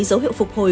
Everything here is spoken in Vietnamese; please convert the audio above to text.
dấu hiệu phục hồi